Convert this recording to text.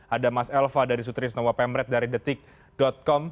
ada mas elva dari sutrisno wapemret dari detik com